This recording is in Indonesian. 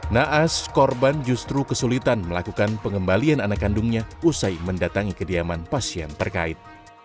naas korban justru kesulitan melakukan pengembalian anak kandungnya usai mendatangi kediaman pasien terkait